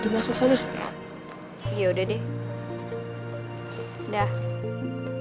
udah masuk sana saya udah deh hai hesitate